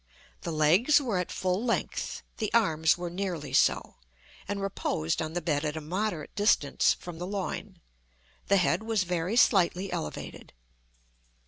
The legs were at full length; the arms were nearly so, and reposed on the bed at a moderate distance from the loin. The head was very slightly elevated.